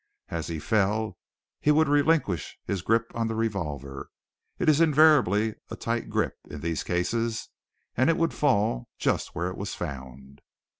"As he fell he would relinquish his grip on the revolver it is invariably a tight grip in these cases and it would fall just where it was found."